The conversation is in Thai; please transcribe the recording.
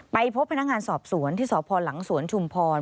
พบพนักงานสอบสวนที่สพหลังสวนชุมพร